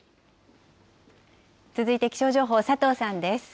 続いて気象情報、佐藤さんです。